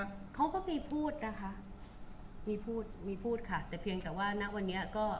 เขาก็มีพูดนะคะมีพูดมีพูดค่ะแต่เพียงแต่ว่าณวันนี้ก็